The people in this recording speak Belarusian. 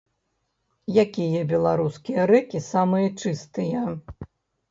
Якія беларускія рэкі самыя чыстыя?